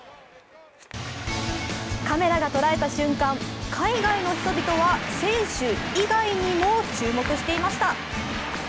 カメラが捉えた瞬間海外の人々は選手以外にも注目していました。